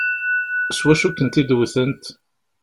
S wacu i kent-id-wtent?